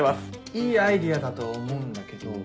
いいアイデアだとは思うんだけど。